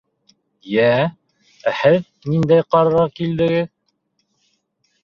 Йә, ә һеҙ ниндәй ҡарарға килдегеҙ?